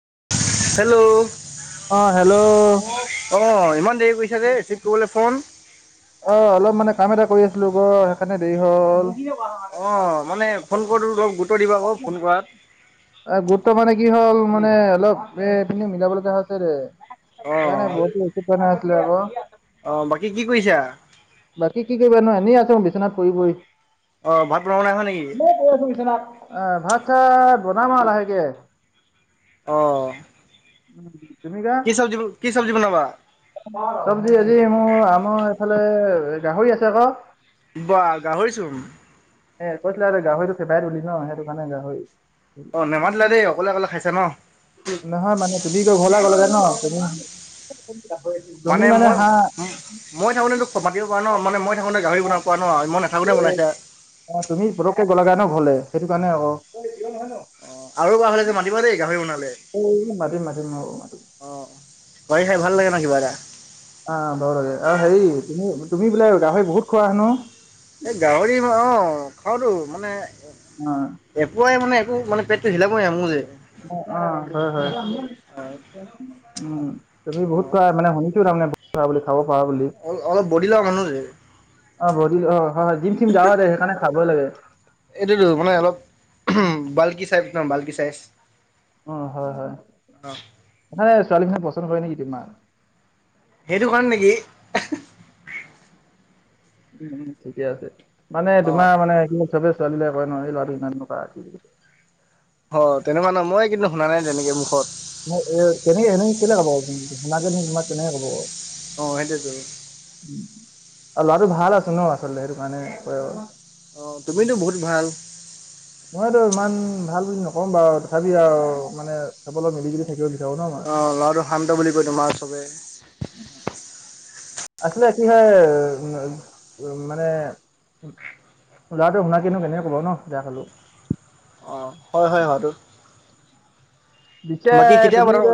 [unintelligible] Hello অ অ hello ইমান দেৰি কৰিছা যে ৰিচিভ কৰিবলে ফোন। অ অলপ মানে কাম এটা কৰি আছিলো মই সেইকাৰণে দেৰি হ'ল। অ মানে ফোন কৰোটো ধৰ গুৰুত্ব দিবা হক ফোন কৰাত। এ গুৰুত্ব মানে কি হ'ল মানে অলপ এ পিনে মিলাব লগা হৈছে দে। অ সেইকাৰণে বহুত দেৰি ৰিচিভ কৰা নাছিলে আক'। অ বাকী কি কৰিছা? বাকী কি কৰিবা নো এনেই আছো বিচনাত পৰি পৰি। অ ভাত বনাব নাই হোৱা নেকি [unintelligible] বিচনাত। আ ভাত-চাত বনাম আৰু লাহেকে। অ। তুমি কা কি চব্জি কি চবজী বনাবা? অ চবজি আজি মোৰ আমাৰ এইফালে গাহৰি আছে আক'। কি কোৱা গাহৰিচোন। এ কৈছিলে [unintelligible] গাহৰিটো খেবাই তলি ন সেইটো কাৰণে গাহৰি অ নেমাতিলা দেই। অকলে অকলে খাইছা ন? নহয় মানে তুমি আকৌ ঘৰলে গলাগে ন? তুমি মানে হাঁহ মই থাকোতেটো মাতিব পাৰা ন। মানে মই থাকোতে গাহৰি বনাব পাৰা ন? আজি মই নাথাকোতে বনাইছা। অ তুমি পুতুককে গ'লাগে ন ঘৰলে। সেইটোকাৰণে আক'। অই এইটো জিঅ নহয় ন? অ আৰু [unintelligible] হ'লে মাতিবা দেই গাহৰি বনালে। অ মাতিম মাতিম অ মাতিম। অহ, গাহৰি খাই ভাল লাগে নহ কিবা এটা অ হয়, অ হেৰি তুমি, তুমি বোলে গাহৰি বহুত খোৱা হেনো এই গাহৰি অ খাওটো মানে উম এপোৱাই মানে একো মানে পেটটো হিলাবই নোৱাৰে মোৰ যে। উ আ হয়, হয়। উম তুমি অ বহুত কোৱা মানে শুনিছো তাৰমানে বহুত বুলি খাব পাৰা বুলি। অল অলপ বডি লগা মানুহ যে। অহ বডি অহ হয়, জিম চিম যাবা দে সেইকাৰণে খাবই লাগে। এইটোতো মানে অলপ বাল্কি চাইজ নহ বাল্কি চাইজ। অহ আৰে ছোৱালী টোৱালী পচন্দ কৰে নেকি তোমাক সেইটো কাৰণে নেকি উম উম ঠিকে আছে, মানে অ তোমাৰ মানে কি চবে ছোৱালী লয় কয় নহ, এই লৰাটো ইমান বগা হয়, তেনেকুৱা নাই মই কিন্তু শুনা নাই তেনেকে মুখত। এহ, এহ, তেনেকে সেনেকে কেলে কবনো, মাকজনীয়ে তোমাক কেনেকে কব কহ অ সেইটোৱেটো আৰু লৰাটো ভাল আছে নহ, আচলতে সেইটো কাৰণে কৰে কহ অহ, তুমিতো বহুত ভাল। মইতো ইমান ভাল বুলি নকম বাৰু তথাপি আৰু মানে চবলৈ মিলি জুলি থাকিব বিচাৰো ন মই অহ, লৰাটো শান্ত বুলি কয় তোমাৰ চবে। আচলে কি হয়, উ উ মানে লৰাটো শুনাকিনো কেনেকে কব নহ, জানোঁ অ হয় হয়, হোৱাটো পিচে বাকী কেতিয়া তুমি বনাব যে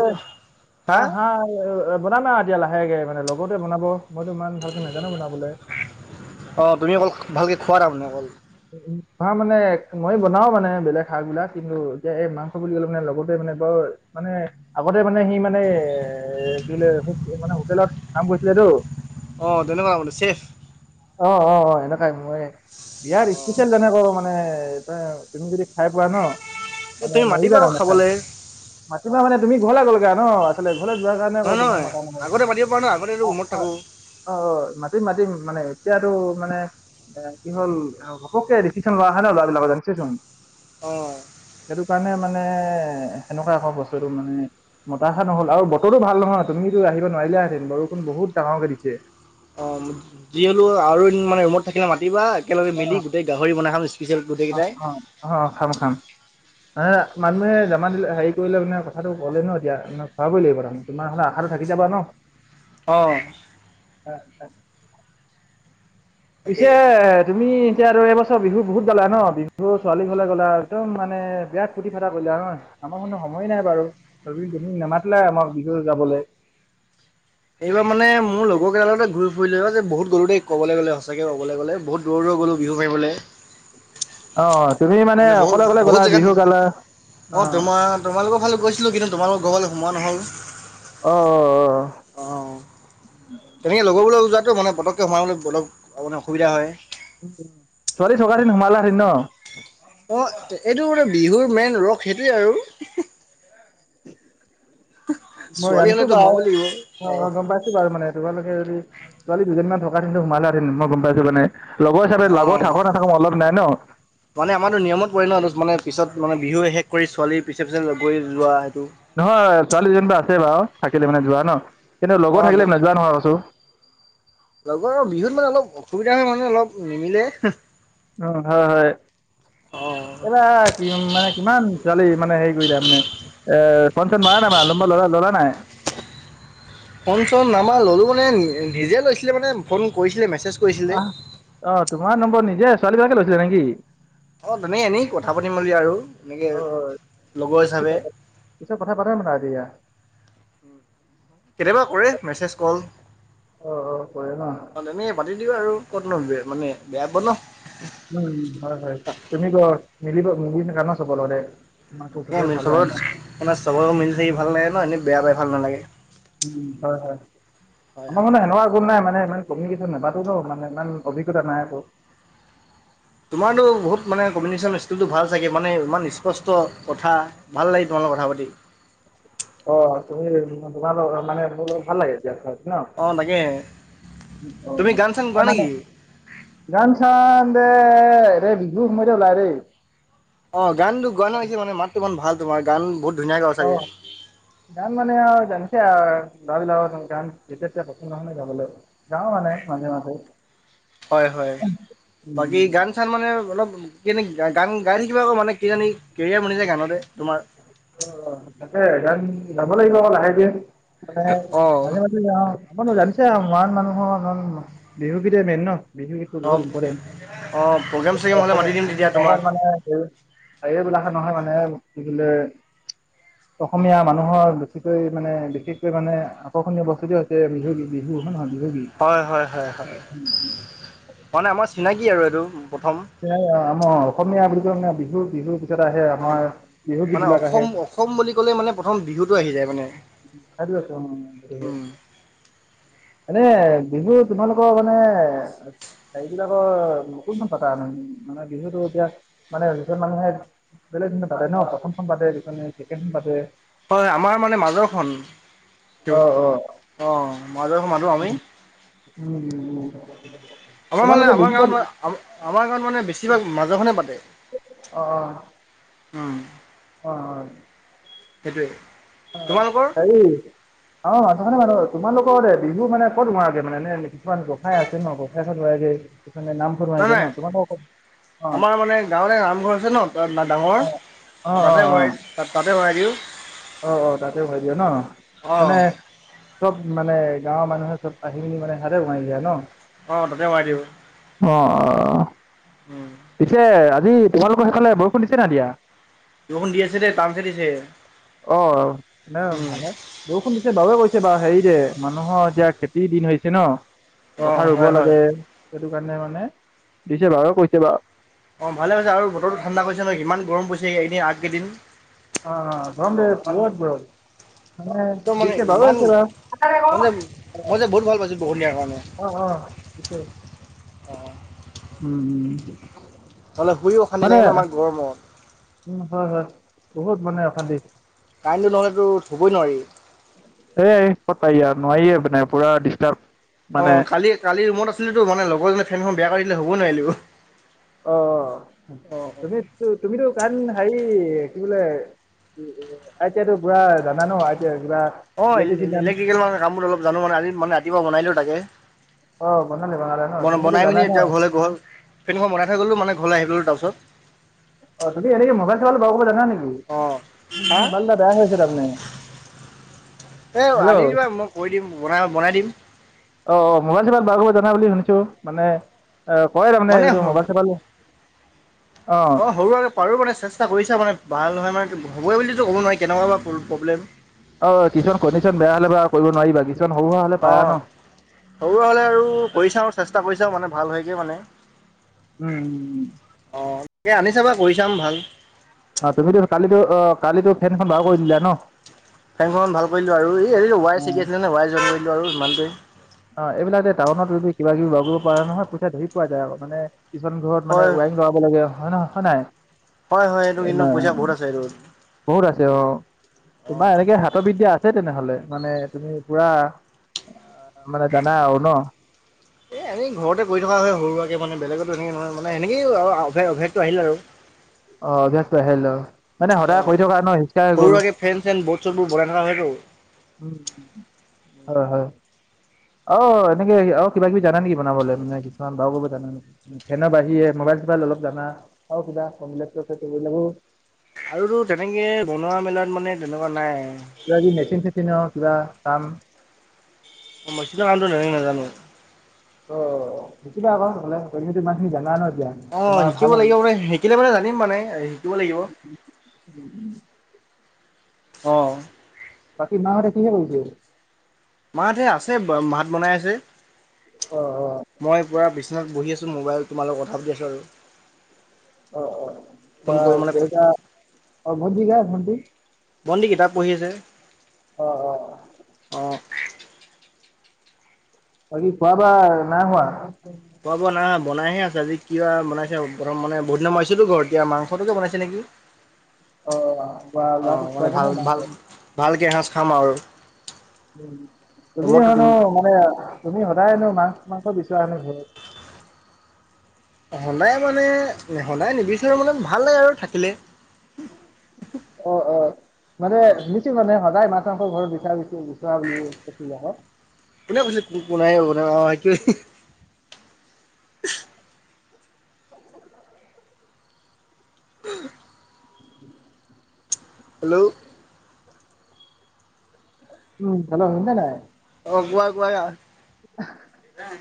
হা অ, আহ অহ অহ অহ বনাম আও এতিয়া লাহেকে মানে লগতে বনাব, মইতো ইমান ভালকে নেজানো বনাবলৈ। অহ, তুমি অকল ভালকৈ খোৱা তাৰমানে অকল নহয় মানে মই বনাও মানে বেলেগ শাক বিলাক কিন্তু এতিয়া এই মাংস বুলি কলে মানে লগৰটোৱে মানে বৰ মানে আগতে মানে সি মানে এ এ এ এ এহ কি বোলে মানে হোটেলত কাম কৰিছিলেটো। অ‌ তেনেকুৱা গোন্ধাইছে। অ অ অ এনেকুৱাই মই বিয়াৰ স্পেচিয়েল যেনেকা মানে তহ তুমি যদি খাই পোৱা নহ এই মানে তুমি নেৰিবা মাতিবা তাৰমানে খাই খাবলৈ মাতিবা মানে তুমি ঘৰলে গলাগে নহ মানে ঘৰলৈ যোৱাৰ কাৰণে নহয় আকৌ তোমাক মাতা নহয়। আগতে মাতিব পাৰা ন আগতে অ ৰুমত হয়। থাকোঁ অ অ মাতিম মাতিম, মানে এতিয়াতো মানে এহ কি হ'ল অহ ঘপককে ডিচিশ্যন লোৱা হয় নহ। লৰাবিলাকৰ জানিচেছোন অহ সেইটো কাৰণে মানে সেনেকুৱা আকৌ বস্তুটো মানে মতাষা নহল আৰু বতৰো ভাল নহয়। তুমিতো আহিব নোৱাৰিলাহেঁতেন। বৰষুণ বহুত ডাঙৰকে দিছে। অহ যি হলেও আৰু এদিন মানে ৰুমত থাকিলে মাতিবা, একেলগে অ মিলি গোটেই গাহৰি বনাই খাম স্পেচিয়েল গোটেই কেইটাই অহ অহ, খাম খাম। এহ মানুহে জামান দিলে হেৰি কৰিলে মানে কথাটো কলে নহ এতিয়া, খোৱাবই লাগিব তাৰমানে তোমাৰ হলে আশাটো থাকি যাব নহ। অহ হয় তাকে। পিছে তুমি এতিয়া আৰু এইবছৰ বিহু বহুত গলা নহ, বিহু ছোৱালী ঘৰলে গলা, একদম মানে বিৰাট ফূৰ্তি-ফাৰ্তা কৰিলা নহ আমাৰ মানে সময় নাই বাৰু ৰবিন তুমি নেমাতিলা আমাক বিহু গাবলে। এইবাৰ মানে মোৰ লগৰ কেইটাৰ লগতে ঘূৰি ফুৰিলে হয় যে বহুত গলো দেই কবলৈ গলে সঁচাকে কব গ'লে বহুত দূৰ গ'লোঁ বিহু মাৰিবলে। অ অ, তুমি মানে বহুত অকলে অকলে গলা বহুত জেগাত বিহু গালা, অ অঁ তোমাৰ তোমালোকৰ ফালে গৈছিলো কিন্তু তোমালোকৰ ঘৰলৈ সোমোৱা নহ'ল। অহ অহ অহ অহ তেনেকে লগৰবোৰৰ লগত যোৱাতো মানে পটককৈ সোমাবলৈ অলপ মানে অসুবিধা হয়। ছোৱালী থকা হেতিন হোমালা হেতিন নহ অহ, এ এইটো মানে বিহুৰ মেইন ৰস সেইটোৱেই আৰু মই ছোৱালী ৰানিছো হ'লেতো বাও সোমাব লাগিব অ অঁ। অ গম পাইছো বাৰু মানে তোমালোকে যদি ছোৱালী দুজনীমান থকা সেতেন সোমালেহেতেন মই গম পাইছো মানে। লগৰ হিচাপে লগত অঁ থাক নাথাক মতলব নাই ন। মানে আমাৰত নিয়মত পৰে ন দুছ মানে পিছত মানে বিহু শেষ কৰি ছোৱালীৰ পিছে পিছে গৈ যোৱা সেইটো। নহয়, ছোৱালী দুজনী বা আছে বাও থাকিলে মানে যোৱা ন, কিন্তু লগৰ অ' থাকিলে নাযোৱা নহয় কৈছো। লগৰ বিহুত মানে অলপ অসুবিধা হয় মানে অলপ নিমিলে [unintelligible] অহ হয় হয়। অ' এইবাৰ কি উম মানে কিমান ছোৱালী মানে হেৰি কৰিলে মানে। এ এ এ এ ফোন চোন মাৰা নাই নাম্বাৰ ল'লা ল'লা নাই। ফোন চোন নাম্বাৰ ল'লোঁ মানে নিজে লৈছিলে মানে ফোন কৰিছিলে মেছেজ। কৰিছিলে। আহ, অ তোমাৰ নম্বৰ নিজে ছোৱালীবিলাকে লৈছিলে নেকি? অ, তেনেই এনেই কথা পাতিম বুলি আৰু এনেকে অ লগৰ হিচাপে। পিছত কথা পাতে মানে আদি আহ কেতিয়াবা কৰে মেছেজ কল। অ অ কৰে ন অ তেনে পাতি দিও আৰু ক'তনো বে মানে বেয়া পাব ন। উম হয় হয় তুমি ক মিলিব মিলি থাকা নহ চব লগতে। তোমাকতো এ চবেই মিল ভাল পায় ন চবৰত মানে চবৰে লগত মিলি থাকি ভাল লাগে ন এনেই বেয়া পাই ভাল নালাগে। উম হয় হয়। হয় আমাৰ হয়। মানে সেনেকোৱা কোনো নাই মানে ইমান কমউনিকেশ্যন নাপাটো ত মানে ইমান অভিজ্ঞতা নাই ক। তোমাৰতো বহুত মানে কমিউনিকেশ্যন স্কিলটো ভাল চাগে মানে ইমান স্পষ্ট কথা। ভাল লাগি তোমাল লগত কথা পাতি। অ তুমি [unintelligible] তোমা লগত মানে মোৰ লগত ভাল লাগে এতিয়া থাক- ন অঁ তাকে উম অ অ তুমি গান চান না গোৱা নান নেকি গান চান দে ৰে বিহুৰ সময়তে ওলাই দেই। অ গানটো গোৱা নে কি মানে মাতটো ইমান ভাল তোমাৰ গান বহুত ধুনীয়া গাও অ চাগে। গান মানে আৰু জানিছে আও লৰা বিলাকক নো গান যেতিয়া তেতিয়া পচন্দ নহয় ন গাবলে। গাও মানে মাজে মাজে। হয় হয়, বাকী গানছ- তাৰমানে অলপ এনেই গান গাই থাকিবা আকৌ মানে কিজানী কেৰিয়াৰ বনি যায় গানতে তোমাৰ। ৰ ৰ তাকে গান গাব লাগিব আকৌ লাহে ধীৰে মানে অঁ মাজে মাজে কি গাও, মই নো জানিছ আও মৰাণ মানুহৰ বিহু গীতেই মেইন ন। বিহুগীতটো বহুত অঁ অঁ প্ৰগ্ৰেম ইম্পৰ্টেণ্ট চগ্ৰেম হ'লে মাতি দিম তেতিয়া অসম তোমাক অসম মানে [unintelligible] এইবিলাকে নহয় মানে কি বলে। অসমীয়া মানুহৰ বেছিকৈ মানে বিশেষকৈ মানে আকৰ্ষণীয় বস্তুটো হৈছে বিহু গী, বিহু হয় নহয় বিহু গী। হয়, হয় হয় হয় মানে আমাৰ চিনাকি আৰু এইটো প্ৰথম। আমাৰ অসমীয়া বুলি কলে মানে বিহু, বিহুৰ পিছত আহে অঁ আমাৰ বিহু গীত মানে বিলাক অসম আহে। অসম বুলি ক'লে মানে প্ৰথম বিহুটো আহি যায় মানে। সেইটোৱে ত অ সেইটো হয়। উম এনে বিহু তোমালোকৰ মানে সেইবিলাকৰ কোন খন পাতা, মানে বিহুতো এতিয়া মানে যিজন মানুহে বেলেগ, বেলেগ পাতে ন, প্ৰথমখন বাদ দি কেনে ছেকেণ্ড খন পাতে। হয়, আমাৰ মানে মাজৰখন। অ অ। অ' মাজৰ খন পাতো আমি। উম। আমাৰ মানে, তোমালোকে আমাৰ বিহু ক'ত গাঁৱত আমাৰ গাঁৱত মানে বেছিভাগ মাজৰখনে পাতে। অ অ। [unintelligible] অ হয়। সেইটোৱেই। হয় হয়, সেৰি। আমাৰ মাজৰ খনে পাতো, তোমালোকৰ বিহু মানে ক'ত ওৰোৱাগে মানে এনে কিছুমান গোসাঁই আছে ন গোসাঁই ঘৰত ওৰোআগে। তেচে নামপুৰ নাই মাইতি নাই ন তোম অ [unintelligible] আমাৰ মানে গাঁৱতে নামঘৰ আছে ন, তাত ডাঙৰ অ অ অ তাতে অ শৰাই তাতে শৰাই দিওঁ। অ অ, তাতে ভাই দিয় ন অঁ মানে, চব মানে গাঁৱৰ মানুহে চব আহি মিনি মানে হাৰে ওমাই যায় ন। অ'তাতে সোমাই দিওঁ। অঁ। উম। পিছে আজি তোমালোকৰ সেইফালে বৰষুণ দিছে নাই দিয়া? বৰষুণ দি আছে দেই টানছে দিছে। অ' নাই ভাল। বৰষুণ দিছে বাৰুৱে কৰিছে বা হেৰি যে মানুহৰ এতিয়া খেতিৰ দিন হৈছে ন। অঁ পথাৰ ৰুব হয় হয় লাগে সেইটো কাৰণে মানে দিছে বাৰু কৈছে বাৰু। অ ভালেহৈছে আৰু বতৰটো ঠাণ্ডা কৰিছে নয় ইমান গৰম পৰিছে এই কেইদিন আগকেইদিন। অ গৰম দে ভাল বাৰ মানে দিছে বাৰু হৈছে বাৰু ক'ত যাবি? মই যে বহুত ভাল পাইছোঁ বৰষুণ দিয়াৰ কাৰণে। অ অ থিকেই অঁ উম উ নহ'লে শুইও অখানতি লাগে ন ইমান গৰমত। উম, হয় হয় বহুত মানে অশান্তি। কাৰেণ্টটো নহ'লেতো শুবই নোৱাৰি। সেয়াই ক'ত পাৰি আৰু নোৱাৰে মানে পুৰা ডিষ্টাৰ্ব। মানে অ' কালি কালি ৰুমত আছিলো টো মানে লগৰজনে ফেনখন বেয়া কৰিদিলে হুবই নোৱাৰিলোঁ। অ অ, তুমিতো তুমিতো কাৰণ হেৰি কি বোলে। আইতিয়াতো পুৰা জানা ন? [unintelligible] অঁ ইলেক্ট্ৰিকেল মানে কামবোৰ অলপ জানো মানে, আজি মানে ৰাতিপুৱা বনাই দিলো তাকে, অ' বনালে বনালে ন তুমিতো বনাই মেলি জানাই এতিয়া ন ঘৰলে গ'ল সেইসেনাখন বনাই থৈ গ'লো মানে ঘৰলৈ আহি গলো তাৰপিছত। অ' তুমি এনেকে মোৱাইল চুবাইল বাৰু কৰিব জানা নেকি? অ' হা মোৰ ম'বাইল এটা বেয়া হৈ আছে তাৰমানে, এই হেল্ল। আনি দিবা মই কৰি দিম, বনাই বনাই দিম। অ অ মোবাইল চোবাইল বাৰু কৰিব জানা বুলি শুনিছোঁ মানে অ কয় তাৰমানে মানে এইটো মোবাইল চোবাইল। অহ। সৰু আৰু পাৰোঁ মানে চেষ্টা কৰিছা মানে ভাল নহয় মানে হ'বই বুলিতো ক'ব নোৱাৰি কেনেকুৱা প্ৰব্লেম। অ কিছুমান কণ্ডিশ্যন বেয়া হ'লে বাৰু কৰিব নোৱাৰিবা কিছুমান সৰু সুৰা হ'লে পাৰা অ' ন। সৰু হ'লে আৰু কৰি চাওঁ চেষ্টা কৰি চাওঁ মানে ভাল হয়গে মানে। উম উম উম। অ তাকে আনি চাবা কৰি চাম ভাল। অ তুমিতো কালিতো অ কালিতো ফেনখন বাৰু কৰি দিলা ন। ফেনখন ভাল কৰিলোঁ আৰু এই ৱাৰ চিগি আছিলে ৱাৰ জইন কৰি দিলোঁ আৰু ইমানটোৱে। অ এইবিলাকে টাউনত যদি কিবা কিবি ওলাব পাৰা নহয় পইচা ধেই পোৱা যায় আৰু মানে- কিছুমান ঘৰত মানে হয়, ৱাইিং লগাব লাগে হয় নহয় হয় নাই। হয় হয় এইটো কিন্তু নাই পইচা বহুত আছে এইটো। বহুত আছে অ অ', তোমাৰ এনেকে হাতবিদ্যা আছে তেনেহলে মানে তুমি পুৰা। ত মানে জানা আৰু ন এনে ঘৰতে কৰি থকা হয় সৰু সুৰাকে মানে বেলেগতো এনে নহয় মানে এনেকেয় মানে অভ্যাসটো আহিল আৰু [unintelligible] অ অভ্যাসটো আহিল ল মানে সদায় অ', কৰি থকা ন সিচকা হৈ সৰু গ'ল। সুৰাকে ফেন চেন বদ চো বোৰ বনাই থকা হয়তো। উম হয় হয়। অ এনেকে অ কিবা কিবি জানা নেকি বনাবলে মানে কিছুমান বাও কৰিব জানা নেকি? ফেনৰ বাঢ়িৰে মোবাইল চোবাইল অলপ জানা আৰু কিবা কমিল সেইবিলাকো- আৰু তেনেকে বনোৱা মেলাত মানে তেনেকুৱা নাই কিবা কিবি মেচিন চেচিনও কিবা কাম। মেচিন কামটো ইমানকে নাজানোঁ অ শিকিবাক তামানে তুমিতো ইমানখিনি জানাই ন। এতিয়া অ তোমাৰ ভাল শিকিব হ'ব লাগিব মানে শিকিলে মানে জানিম মানে শিকিব লাগিব। উম উম। অঁ বাকি মাহঁতে কিহে কৰিছে? মাহঁতে আছে ভাত বনাই আছে। অ অ মই পূৰা বিচনাত বহি আছোঁ মোবাইল তোমালগত কথা পাতি আছোঁ আৰু। অ অ ফোন অ কৰোঁ মানে দেউটা অ ভন্টি কা ভন্টি- ভন্টি কিতাপ পঢ়ি আছে। অ অ অঁ বাকী খোৱা বাৱা নাই হোৱা। খোৱা বোৱা নাই হোৱা বনাইহে আছে খোৱা বোৱা নাই হোৱা, আজি কিবা বনাইছে বহুত দিনৰ মূৰত ঘৰত এতিয়া মাংসটোকে বনাইছে নেকি। অ বা অঁ ল'ৰাটোক মানে খুৱাইছে নে ভাল নাই ভাল খোৱা? ভালকে এসাজ খাম আৰু। তুমি হয়ন মানে তুমি সদায়নো মাছ মাংস বিচৰা হেনো ঘৰত। সদায় মানে সদায় নিবিচাৰোঁ মানে ভাল লাগে আৰু থাকিলে। অ অ, মানে অঁ শুনিছো মানে সদায় মাছ মাংস ঘৰত বিচৰা বিচৰি বুলি ক কোনে কৈছে কোন কো নাই [unintelligible] [unintelligible] [unintelligible] [unintelligible] হেল্ল' উম হেল্ল শুনিছা নাই? অ কোৱা কোৱাই অহ। [unintelligible] সেইত [unintelligible]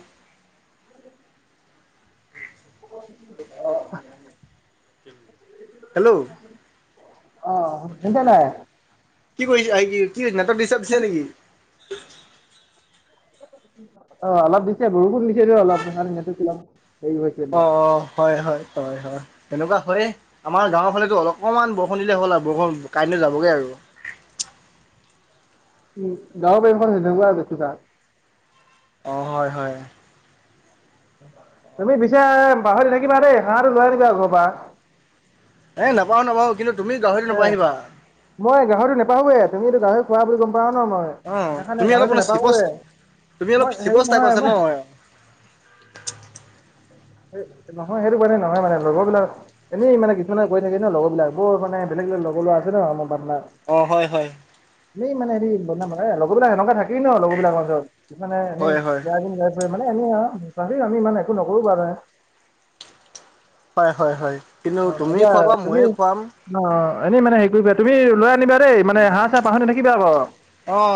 অ [unintelligible] [unintelligible] [unintelligible] হেল্ল' অ শুনিছা নাই কি কৰিছা আহি কি নেৰ্টক দিষ্টাৰ্ব দিছে নেকি? অ অলপ দিছে বৰষুণ দিছে দে অলপ সেইকাৰণে অলপ হেৰি হৈছে বা অ অ হয় হয় হয় হয় সেনেকুৱা হয় আমাৰ গাঁৱৰ ফালেতো অলপ- অকণমান বৰষুণ দিলে হল আৰু বৰষুণ কাৰেণ্টো যাবগৈ আৰু। [unintelligible] অঁ হয় হয়। অ [inaudible] তুমি পিছে পাহৰি নাথাকিবা দেই, হাঁহটো লৈ আনিবা ঘৰৰ পা। এই নাপাওঁ নাপাওঁ কিন্তু তুমি গাহৰিটো নাপাহৰিবা। মই গাহৰিটো নাপাহৰোৱে তুমি এইতো গাহৰি খোৱা বুলি গম পাওঁ ন মই। অ সেইকাৰানে তুমি অলপ গাহৰিটো মানে চিপচ নোপাহোঙে, তুমি অলপ মই চিপচ হেৰি টাইপ নহয় আছা ন মই নহয় সেইটো কাৰনে নহয় মানে লগৰ বিলাক এনেই মানে কিছুমানে কৰি থাকি ন লগৰবিলাক, বৰ মানে বেলেগ বলেগ লগৰ লৰা আছে ন আমাৰ পাৰ্টনাৰ। অ হয় হয়। এইেই মানে হেৰি ব লগৰবিলাক এনেকা থাকি ন, লগৰ বিলাকৰ মাজত। কিছুমানে এনেই হয় হয় বেয়া দিন গাই ফুএ মানে এনেই আ, তথাপি একো নকৰো বাৰুতে। হয় হয় হয়। কিন্তু তুমি খোৱাবা, ময়েই খোৱাম। অ এনে মানে সেই কৰিবা, তুমি লৈ আনিবা দেই মানে হাঁহ চাহ পাহৰি না থাকিবা আক। অ